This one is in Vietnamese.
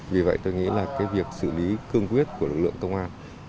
vì vậy tôi nghĩ là cái việc xử lý cương quyết của lực lượng công an